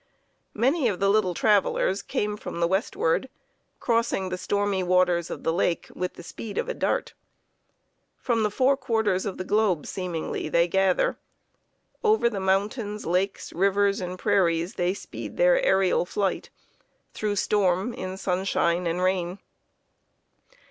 Many of the little travellers came from the westward, crossing the stormy waters of the lake with the speed of a dart. From the four quarters of the globe, seemingly, they gather. Over the mountains, lakes, rivers, and prairies they speed their aërial flight, through storm, in sunshine and rain.